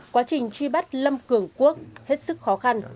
quá trình truy bắt lâm cường quốc hết sức khó khăn